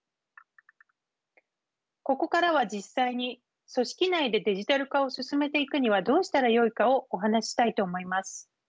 ここからは実際に組織内でデジタル化を進めていくにはどうしたらよいかをお話ししたいと思います。